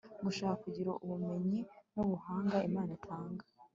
gushaka kugira ubumenyi nubuhanga Imana itanga